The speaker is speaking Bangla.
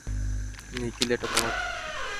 নিকিল এটা তোমার চিঠি।